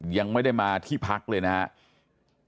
ยังไม่ได้มาที่พักเลยนะครับ